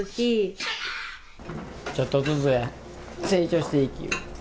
ちょっとずつや成長していきゆう。